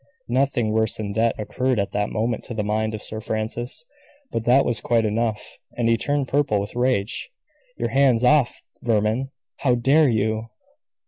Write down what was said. Nothing worse than debt occurred at that moment to the mind of Sir Francis. But that was quite enough, and he turned purple with rage. "Your hands off, vermin! How dare you?"